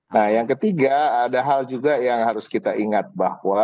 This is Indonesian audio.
nah yang ketiga ada hal juga yang harus kita ingat bahwa